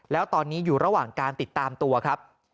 แล้วตอนนี้อยู่ระหว่างการติดตามตัวครับ